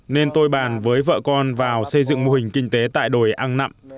nên tôi bàn với vợ con vào xây dựng mô hình kinh tế tại đồi ăn nằm